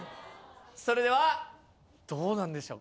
それではどうなんでしょう？